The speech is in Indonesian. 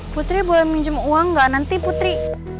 putri boleh minjem uang gak nanti putri